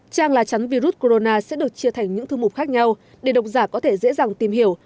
trang lá chắn virus corona sẽ được chia thành những thư mục khác nhau để độc giả có thể dễ dàng tìm hiểu